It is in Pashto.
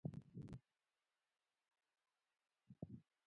خټکی پاک خوراک دی.